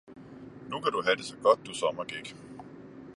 Nu kan du have det så godt, du sommergæk!